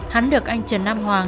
hắn được anh trần nam hoa